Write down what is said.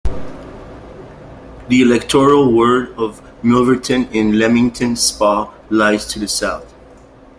The electoral ward of Milverton in Leamington Spa lies to the south.